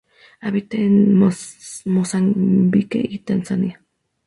Habita en Mozambique y Tanzania.